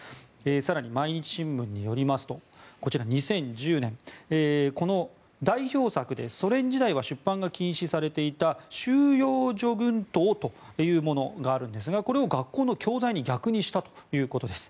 更に毎日新聞によりますとこちら２０１０年この代表作でソ連時代は出版が禁止されていた「収容所群島」というものがありますがこれを学校の教材に逆にしたということです。